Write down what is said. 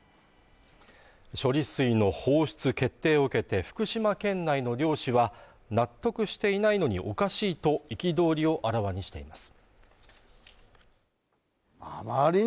処理水の放出決定を受けて福島県内の漁師は納得していないのにおかしいと憤りをあらわにしています